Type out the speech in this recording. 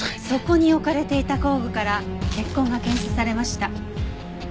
そこに置かれていた工具から血痕が検出されました。